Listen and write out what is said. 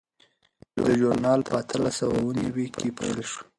دا ژورنال په اتلس سوه اووه نوي کې پیل شو.